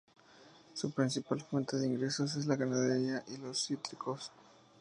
Su principal fuente de ingresos es la ganadería y los cítricos.